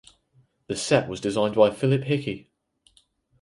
The set was designed by Philip Hickie.